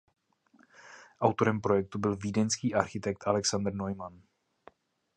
Autorem projektu byl vídeňský architekt Alexander Neumann.